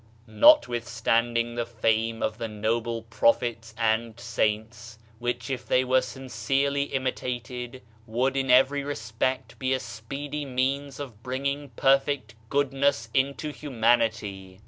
'* Notwithstanding the fame of the noble prophets and saints, which if they were sincerely imitated would in every respect be a speedy means of bringing perfect goodness into humanity, some * i.